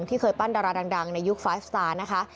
ที่เคยปั้นดาราดังในยุคไฟล์สตาร์นะคะ